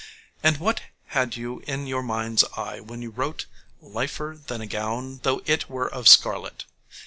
And what had you in your mind's eye when you wrote 'liefer than a gown though it were of scarlet'?